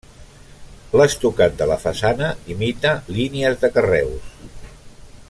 L'estucat de la façana imita línies de carreus.